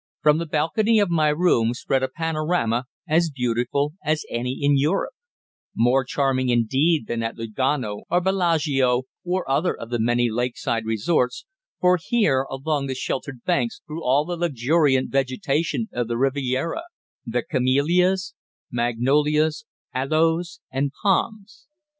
From the balcony of my room spread a panorama as beautiful as any in Europe; more charming, indeed, than at Lugano or Bellagio, or other of the many lake side resorts, for here along the sheltered banks grew all the luxuriant vegetation of the Riviera the camellias, magnolias, aloes and palms.